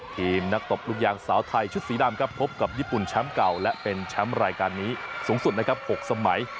ทีมนักตบลูกยางสาวไทยชุดสีดำครับพบกับญี่ปุ่นแชมป์เก่าและเป็นแชมป์รายการนี้สูงสุดนะครับ๖สมัย